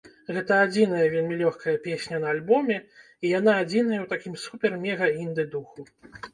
Гэта адзіная вельмі лёгкая песня на альбоме, і яна адзіная ў такім супер-мега-інды духу.